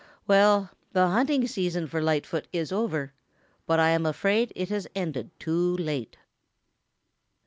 Well, the hunting season for Lightfoot is over, but I am afraid it has ended too late."